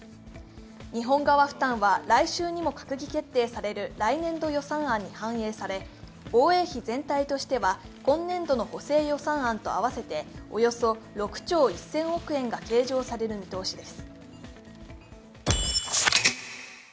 日本側負担は来週にも閣議決定される来年度予算案に反映され、防衛費全体としては今年度の補正予算案と合わせておよそ６兆１０００億円が計上される見通しです。